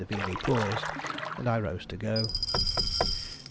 Veeley paused, and I rose to go.